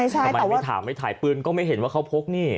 ทำไมไม่ถามไม่ถ่ายปืนก็ไม่เห็นว่าเขาพกนี่